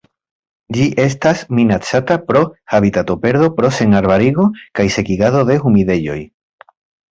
Ĝi estas minacata pro habitatoperdo pro senarbarigo kaj sekigado de humidejoj.